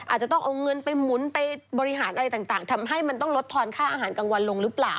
อาจจะต้องเอาเงินไปหมุนไปบริหารอะไรต่างทำให้มันต้องลดทอนค่าอาหารกลางวันลงหรือเปล่า